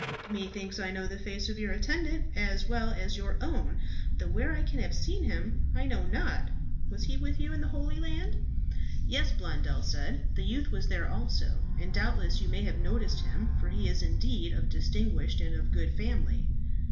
"Methinks I know the face of your attendant as well as your own; though where I can have seen him I know not. Was he with you in the Holy Land?" "Yes," Blondel said, "the youth was also there; and doubtless you may have noticed him, for he is indeed of distinguished and of good family."